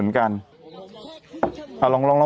เรื่องนี้เหมือนกัน